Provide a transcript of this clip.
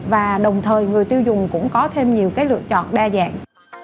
và đồng thời người tiêu dùng cũng có thêm nhiều lựa chọn đa dạng